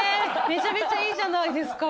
めちゃめちゃいいじゃないですか。